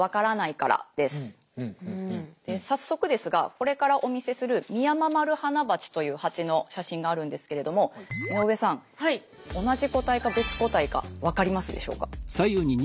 早速ですがこれからお見せするミヤママルハナバチというハチの写真があるんですけれども井上さん同じ個体か別個体か分かりますでしょうか？